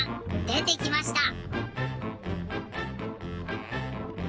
でてきました！